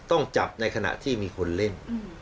ต้องจับในขณะที่มีคนเล่น